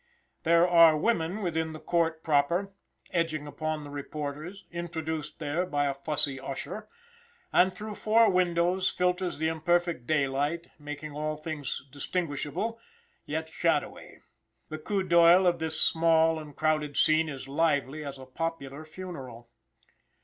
There are women within the court proper, edging upon the reporters, introduced there by a fussy usher, and through four windows filters the imperfect daylight, making all things distinguishable, yet shadowy. The coup d'oeil of this small and crowded scene is lively as a popular funeral.